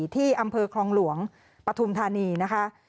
ที่อำเภอคลองหลวงปฐุมธานีนะคะ